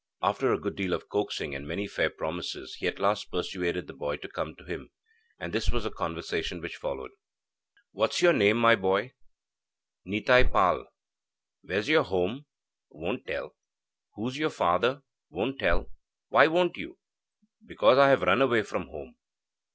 After a good deal of coaxing and many fair promises, he at last persuaded the boy to come to him, and this was the conversation which followed: 'What's your name, my boy?' 'Nitai Pal.' 'Where's your home?' 'Won't tell.' 'Who's your father?' 'Won't tell.' 'Why won't you?' 'Because I have run away from home.'